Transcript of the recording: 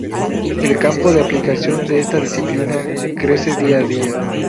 El campo de aplicación de esta disciplina crece día a día.